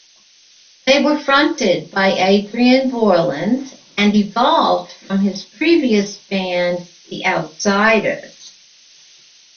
They were fronted by Adrian Borland, and evolved from his previous band The Outsiders.